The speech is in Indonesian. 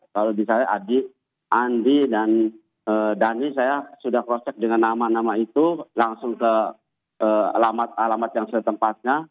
kalau misalnya adik andi dan dhani saya sudah cross check dengan nama nama itu langsung ke alamat alamat yang setempatnya